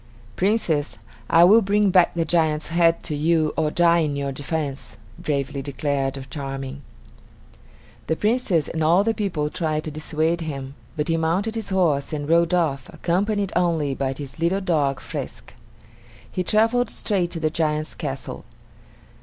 "Princess, I will bring back the giant's head to you or die in your defense," bravely declared Charming. The Princess and all the people tried to dissuade him, but he mounted his horse and rode off, accompanied only by his little dog, Frisk. He traveled straight to the giant's castle.